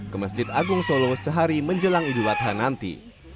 ke masjid agung solo sehari menjelang idul adha nanti